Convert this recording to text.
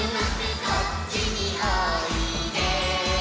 「こっちにおいで」